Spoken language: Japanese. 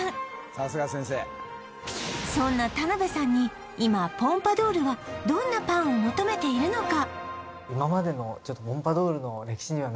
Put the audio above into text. さすが先生そんな田辺さんに今ポンパドウルはどんなパンを求めているのか！？